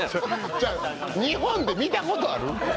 違う、日本で見たことある？